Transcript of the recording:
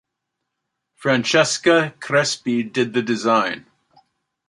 Francesca Crespi did the design.